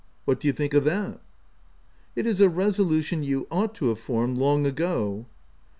— What do you think of that ?"" It is a resolution you ought to have formed long ago."